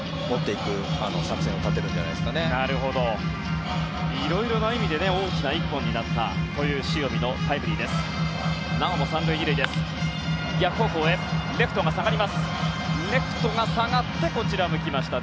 いろいろな意味で大きな１本になった、塩見のタイムリーでした。